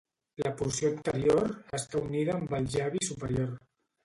La porció anterior està unida amb el llavi superior.